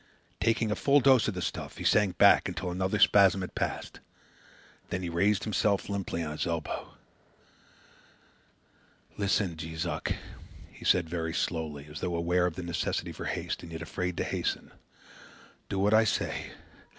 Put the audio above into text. Taking a full dose of the stuff, he sank back until another spasm had passed. Then he raised himself limply on his elbow. "Listen, Jees Uck!" he said very slowly, as though aware of the necessity for haste and yet afraid to hasten. "Do what I say.